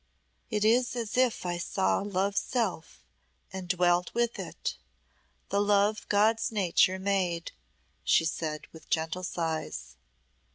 "It is as if I saw Love's self, and dwelt with it the love God's nature made," she said, with gentle sighs.